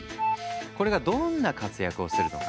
これがどんな活躍をするのか。